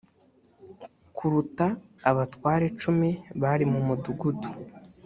kuruta abatware cumi bari mu mudugudu